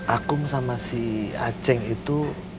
aku sama si acek itu